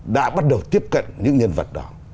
đã bắt đầu tiếp cận những nhân vật đó